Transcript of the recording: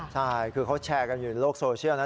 ใช่คือเขาแชร์กันอยู่ในโลกโซเชียลนะ